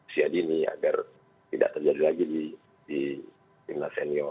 siadini agar tidak terjadi lagi di timnas senior